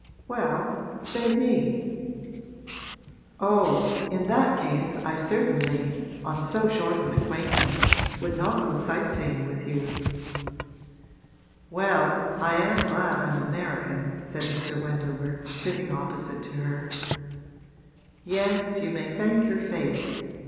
'Well, say me.' 'Oh, in that case I certainly on so short an acquaintance would not go sight seeing with you.' 'Well, I am glad I'm American,' said Mr. Wendover, sitting opposite to her. 'Yes, you may thank your fate.